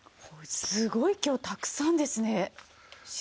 すごい今日たくさんですねしそ。